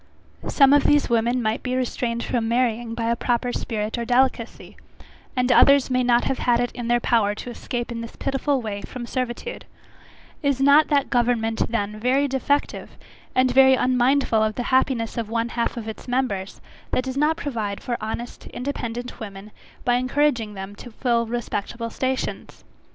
Some of these women might be restrained from marrying by a proper spirit or delicacy, and others may not have had it in their power to escape in this pitiful way from servitude; is not that government then very defective, and very unmindful of the happiness of one half of its members, that does not provide for honest, independent women, by encouraging them to fill respectable stations?